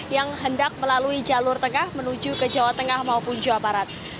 yang hendak melalui jalur tengah menuju ke jawa tengah maupun jawa barat